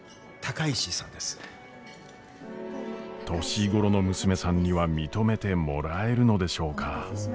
年頃の娘さんには認めてもらえるのでしょうか？